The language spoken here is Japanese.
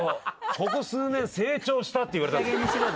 ここ数年成長したって言われたんです。